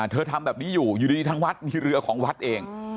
ทำแบบนี้อยู่อยู่ดีทางวัดมีเรือของวัดเอง